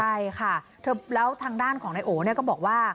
ใช่ค่ะแล้วทางด้านของนายโอเนี่ยก็บอกว่า